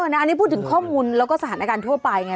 อันนี้พูดถึงข้อมูลแล้วก็สถานการณ์ทั่วไปไง